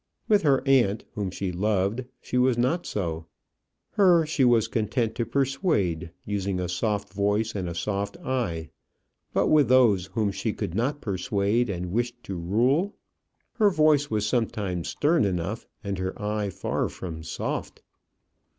With her aunt, whom she loved, she was not so. Her she was content to persuade, using a soft voice and a soft eye; but with those whom she could not persuade and wished to rule, her voice was sometimes stern enough, and her eye far from soft.